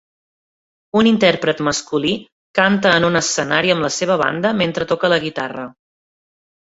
Un intèrpret masculí canta en un escenari amb la seva banda mentre toca la guitarra.